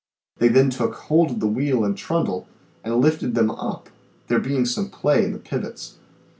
They then took hold of the wheel and trundle and lifted them up, there being some play in the pivots.